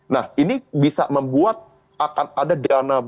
nah ini bisa membuat akan ada dana